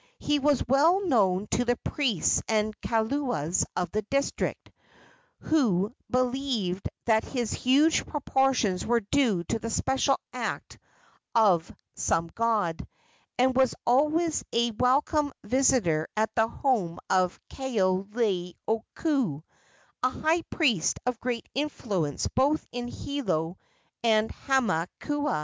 He was well known to the priests and kaulas of the district, who believed that his huge proportions were due to the special act of some god, and was always a welcome visitor at the home of Kaoleioku, a high priest of great influence both in Hilo and Hamakua.